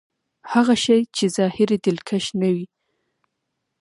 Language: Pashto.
هغه شی چې ظاهر يې دلکش نه وي.